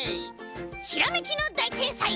ひらめきのだいてんさい！